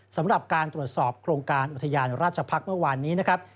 สำหรับการตรวจสอบโครงการอุทยานราชพักษ์เมื่อวานนี้นะครับ